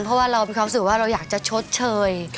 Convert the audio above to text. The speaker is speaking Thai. เพราะว่าเราอยากจะชดเชย